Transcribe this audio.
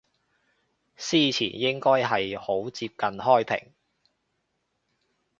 司前應該係好接近開平